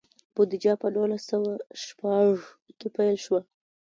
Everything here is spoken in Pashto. بودیجه په نولس سوه شپږ کې پیل شوه.